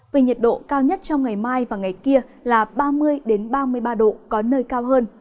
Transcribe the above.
về nhiệt độ cao nhất trong ngày mai và ngày kia là ba mươi ba mươi ba độ có nơi cao hơn